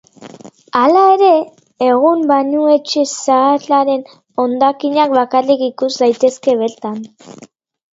Hala ere, egun bainuetxe zaharraren hondakinak bakarrik ikus daitezke bertan.